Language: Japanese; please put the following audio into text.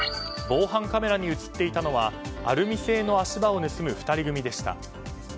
防犯カメラに映っていたのはアルミ製の足場を盗む２人組でした。